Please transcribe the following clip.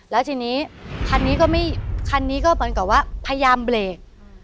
แล้วทีนี้คันนี้ก็เหมือนกับว่าพยายามเบรก